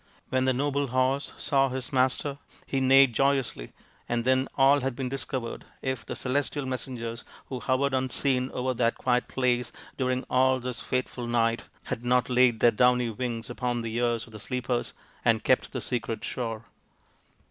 When the noble horse saw his master he neighed joyously, and then all had been discovered if the celestial messengers who hovered unseen over that quiet place during all this fateful night had not laid their downy wings upon the ears of the sleepers and kept the secret sure.